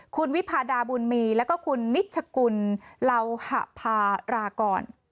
คุณวิพาดาบุญมีแล้วก็คุณนิชกุลเหล่าหภารากร